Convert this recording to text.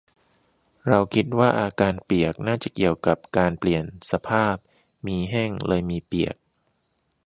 เราคิดว่า อาการเปียกน่าจะเกี่ยวกับการเปลี่ยนสภาพ มีแห้ง เลยมีเปียก